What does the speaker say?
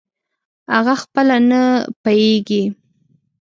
اغه خپله نه پییږي